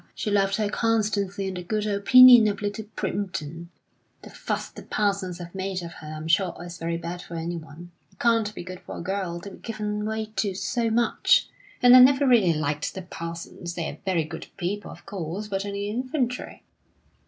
She loved her constancy and the good opinion of Little Primpton; the fuss the Parsons have made of her I'm sure is very bad for anyone. It can't be good for a girl to be given way to so much; and I never really liked the Parsons. They're very good people, of course; but only infantry!